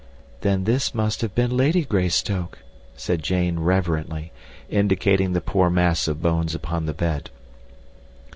"Then this must have been Lady Greystoke," said Jane reverently, indicating the poor mass of bones upon the bed.